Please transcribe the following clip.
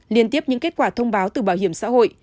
liên tiếp những kết quả thông báo từ bảo hiểm xã hội